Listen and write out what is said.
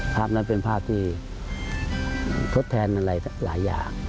ภาพนั้นเป็นภาพที่ทดแทนอะไรหลายอย่าง